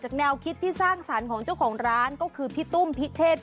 จากแนวคิดที่สร้างสารของเจ้าของร้านคือพี่ตุ้มพี่เทศ